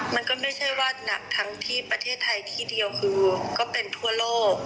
มันก็ไม่ใช่ว่าหนักทั้งที่ประเทศไทยที่เดียวคือก็เป็นทั่วโลก